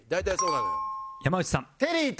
山内さん